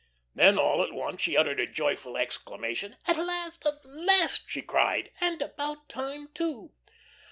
Then all at once she uttered a joyful exclamation: "At last, at last," she cried, "and about time, too!"